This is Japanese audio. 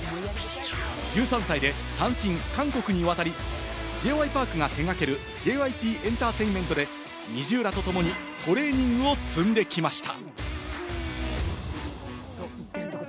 １３歳で単身韓国に渡り、Ｊ．Ｙ．Ｐａｒｋが手掛けるＪＹＰエンターテインメントでＮｉｚｉＵらとともにトレーニングを積んできました。